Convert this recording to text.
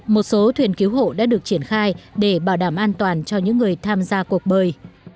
một số thuyền cứu hộ đã được triển khai để bảo đảm an toàn cho những người tham gia cuộc bơi